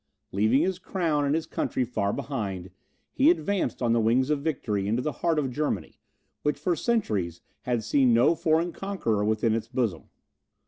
Leaving his crown and his country far behind, he advanced on the wings of victory into the heart of Germany, which for centuries had seen no foreign conqueror within its bosom.